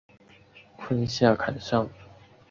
坤下坎上。